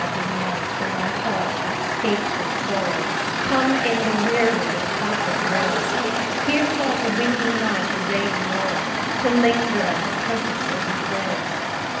do not, when my heart hath 'scap'd this sorrow, Come in the rearward of a conquer'd woe; Give not a windy night a rainy morrow, To linger out a purpos'd overthrow.